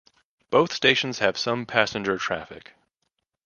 Both stations have some passenger traffic.